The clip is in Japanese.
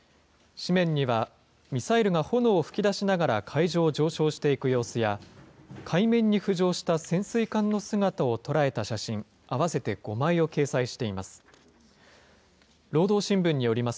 紙面にはミサイルが炎を噴き出しながら、海上を上昇していく様子や、海面に浮上した潜水艦の姿を捉えた写真合わせて５枚を掲載しています。